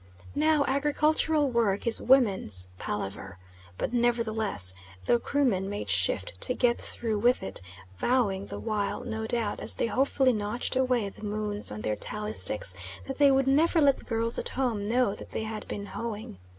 Now agricultural work is "woman's palaver," but nevertheless the Krumen made shift to get through with it, vowing the while no doubt, as they hopefully notched away the moons on their tally sticks, that they would never let the girls at home know that they had been hoeing.